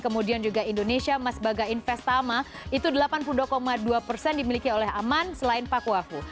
kemudian juga indonesia mas baga investama itu delapan puluh dua dua persen dimiliki oleh aman selain pakuafu